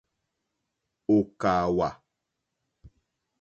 Ò kàwà.